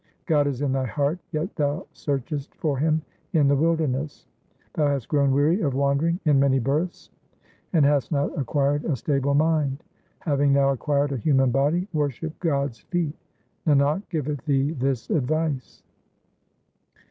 God is in thy heart, yet thou sear chest for Him in the wilderness ; Thou hast grown weary of wandering in many births, and hast not acquired a stable mind ; Having now acquired a human body worship God's feet ; Nanak giveth thee this advice.